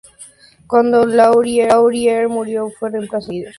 Cuando Laurier murió, fue reemplazado como líder por King Mackenzie de Ontario.